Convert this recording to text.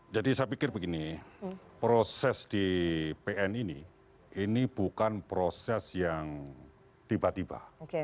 saya pikir begini proses di pn ini ini bukan proses yang tiba tiba